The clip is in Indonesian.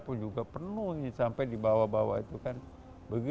momen idul fitri dan idul latha istiqlal biasanya dipadati oleh umat yang ingin beribadah